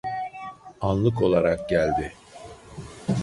Anlık olarak geldi